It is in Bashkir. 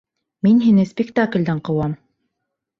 Мин һине спектаклдән ҡыуам!